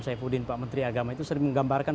saifuddin pak menteri agama itu sering menggambarkan